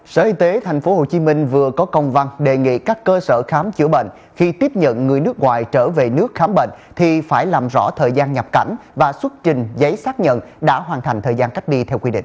sở y tế tp hcm vừa có công văn đề nghị các cơ sở khám chữa bệnh khi tiếp nhận người nước ngoài trở về nước khám bệnh thì phải làm rõ thời gian nhập cảnh và xuất trình giấy xác nhận đã hoàn thành thời gian cách ly theo quy định